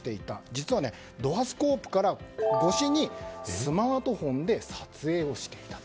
実はドアスコープ越しにスマートフォンで撮影をしていたと。